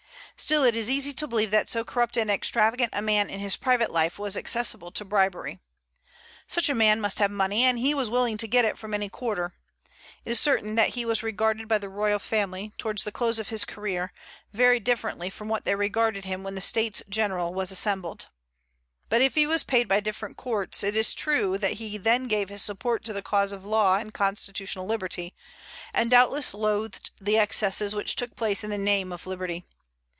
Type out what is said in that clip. Still it is easy to believe that so corrupt and extravagant a man in his private life was accessible to bribery. Such a man must have money, and he was willing to get it from any quarter. It is certain that he was regarded by the royal family, towards the close of his career, very differently from what they regarded him when the States General was assembled. But if he was paid by different courts, it is true that he then gave his support to the cause of law and constitutional liberty, and doubtless loathed the excesses which took place in the name of liberty.